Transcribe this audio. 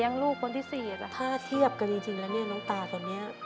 อยู่เฉยแล้ว